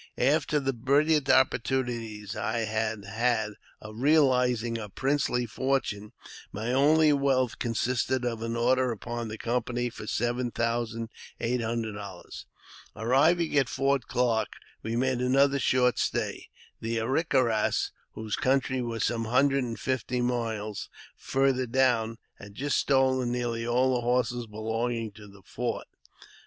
After the brilliant opportunities I had had of reali zing a princely fortune, my only wealth consisted of an order upon the company for seven thousand eight hundred dollars. Arriving at Fort Clarke, we made another short stay. The A rick a ras, whose country was some hundred and fifty miles farther down, had just stolen nearly all the horses belonging to the fort.